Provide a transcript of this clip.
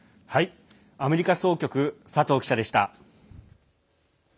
アメリカ総局佐藤記者でした。